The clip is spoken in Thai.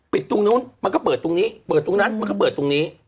ตรงนู้นมันก็เปิดตรงนี้เปิดตรงนั้นมันก็เปิดตรงนี้